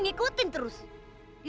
sampai aku dapatkan kamu lagi